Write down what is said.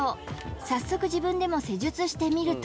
早速自分でも施術してみると